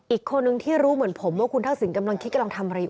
อีกคนนึงที่รู้เหมือนผมว่าคุณทักษิณกำลังคิดกำลังทำอะไรอยู่